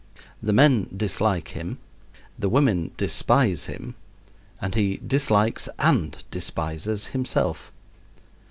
The men dislike him, the women despise him, and he dislikes and despises himself.